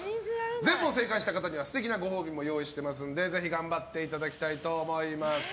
全問正解した方には素敵なご褒美も用意していますのでぜひ頑張っていただきたいと思います。